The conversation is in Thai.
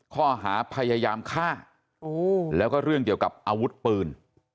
ข้อหาพยายามฆ่าแล้วก็เรื่องเกี่ยวกับอาวุธปืน